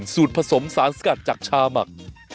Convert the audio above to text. สูตรผสมสารสกัดจากชาหมัก